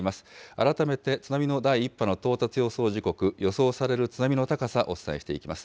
改めて津波の第１波の到達予想時刻、予想される津波の高さ、お伝えしていきます。